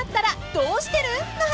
［どうしてる？の話］